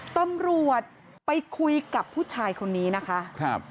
ตำรวจไปคุยกับผู้ชายคนนี้นะคะครับ